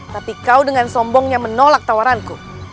tapi kau dengan sombongnya menolak tawaranku